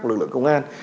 của lực lượng công an